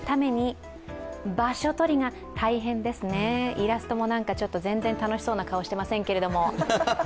イラストも全然楽しそうな顔をしてませんけども。